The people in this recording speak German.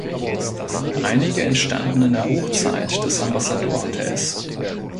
Einige entstanden in der Hochzeit des Ambassador Hotels.